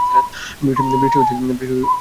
বৃষ্টি থেমে গেলো।